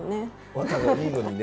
「ワタがいいのにね」